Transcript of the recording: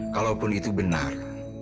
kalaupun itu benar